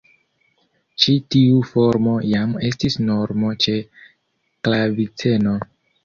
Ĉi tiu formo jam estis normo ĉe klaviceno.